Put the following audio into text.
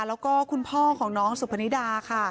แล้วก็คุณพ่อของน้องสุพนิดาค่ะ